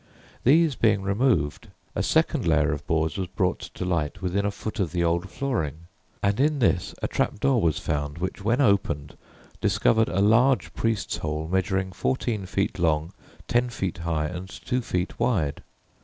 These being removed, a second layer of boards was brought to light within a foot of the old flooring, and in this a trap door was found which, when opened, discovered a large "priest's hole," measuring fourteen feet long, ten feet high, and two feet wide.